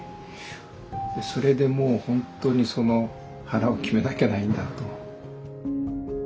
それでもう本当に腹を決めなきゃないんだと。